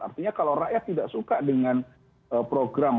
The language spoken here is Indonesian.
artinya kalau rakyat tidak suka dengan program